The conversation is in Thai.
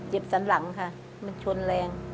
สันหลังค่ะมันชนแรง